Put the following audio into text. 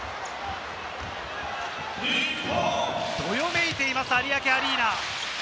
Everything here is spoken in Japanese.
どよめいています、有明アリーナ。